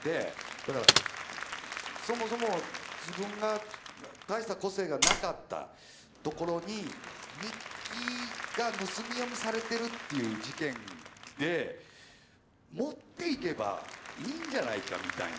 だからそもそも自分が大した個性がなかったところに日記が盗み読みされてるっていう事件で盛っていけばいいんじゃないかみたいな。